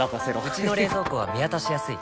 うちの冷蔵庫は見渡しやすい